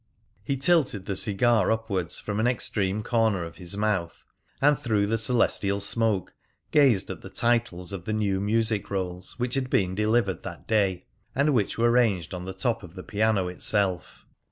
He tilted the cigar upwards from an extreme corner of his mouth, and through the celestial smoke gazed at the titles of the new music rolls which had been delivered that day, and which were ranged on the top of the piano itself.